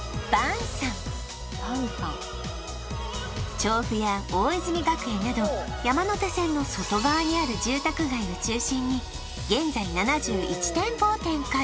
調布や大泉学園など山手線の外側にある住宅街を中心に現在７１店舗を展開